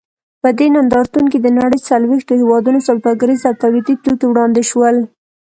په دې نندارتون کې د نړۍ څلوېښتو هېوادونو سوداګریز او تولیدي توکي وړاندې شول.